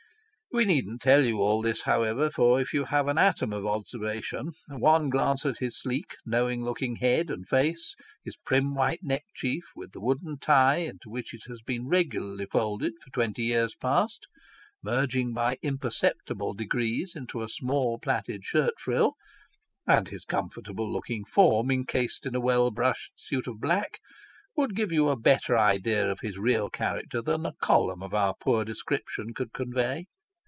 We needn't tell you all this, however, for if you have an atom of observation, one glance at his sleek, knowing looking head and face his prim white neckerchief, with the wooden tie into which it has been regularly folded for twenty years past, merging by imperceptible degrees into a small plaited shirt frill and his comfortable looking form encased in a well brushed suit of black would give you a better idea of his real character than a column of our poor description could convey.